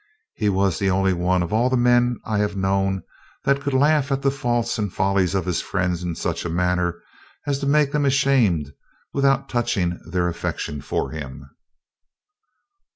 He was the only one of all the men I have known that could laugh at the faults and follies of his friends in such a manner as to make them ashamed without touching their affection for him."